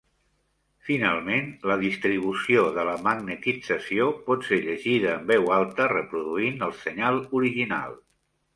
Finalment, la distribució de la magnetització pot ser llegida en veu alta, reproduint el senyal original.